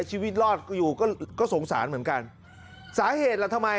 ชีวิตรอดก็อยู่ก็ก็สงสารเหมือนกันสาเหตุล่ะทำไม